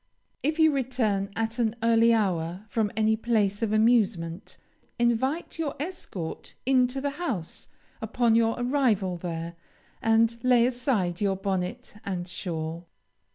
If you return at an early hour from any place of amusement, invite your escort into the house upon your arrival there, and lay aside your bonnet and shawl.